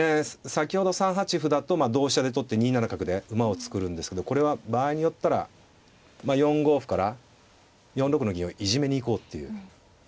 先ほど３八歩だと同飛車で取って２七角で馬を作るんですけどこれは場合によったら４五歩から４六の銀をいじめに行こうっていう。